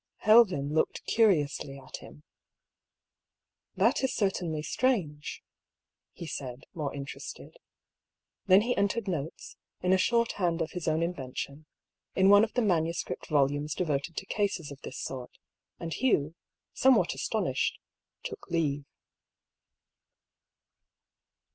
Helven looked curiously at him. " That is certainly strange," he said, more Tnterested. Then he entered notes, in a shorthand of his own inven A QUESTIONABLE DOCTRINE. 247 tion, in one of the manuscript volumes devoted to cases of this sort, and Hugh, somewhat astonished, took leave.